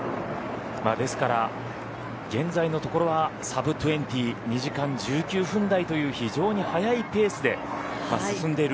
ですから、現在のところは２時間１９分台という非常に速いペースで進んでいる。